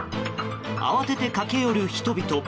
慌てて駆け寄る人々。